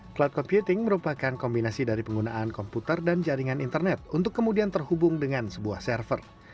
cloud computing merupakan kombinasi dari penggunaan komputer dan jaringan internet untuk kemudian terhubung dengan sebuah server